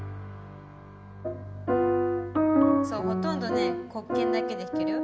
そうほとんどね黒鍵だけで弾けるよ。